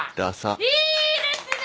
いいですね！